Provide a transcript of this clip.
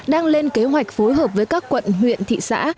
đang lên kế hoạch phối hợp với các quận huyện thị xã